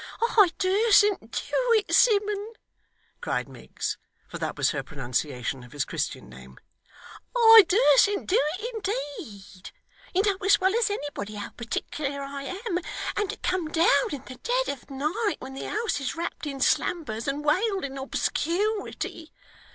'I dursn't do it, Simmun,' cried Miggs for that was her pronunciation of his Christian name. 'I dursn't do it, indeed. You know as well as anybody, how particular I am. And to come down in the dead of night, when the house is wrapped in slumbers and weiled in obscurity.